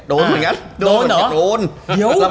โดนเหมือนกัน